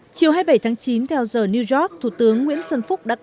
chiều hai mươi bảy tháng chín theo giờ new york thủ tướng nguyễn xuân phúc đã có